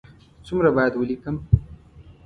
څومره باید ولیکم؟